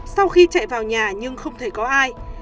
sau khi chạy vào nhà nhưng không thể có ai